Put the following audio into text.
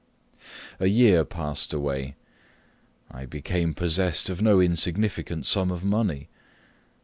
A year passed away. I became possessed of no insignificant sum of money.